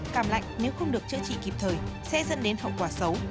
cảm lạnh nếu không được chữa trị kịp thời sẽ dẫn đến hậu quả xấu